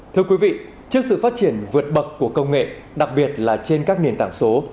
thưa quý vị trước sự phát triển vượt bậc của công nghệ đặc biệt là trên các nền tảng số